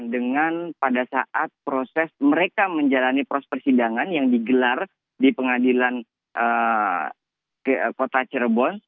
dengan pada saat proses mereka menjalani proses persidangan yang digelar di pengadilan kota cirebon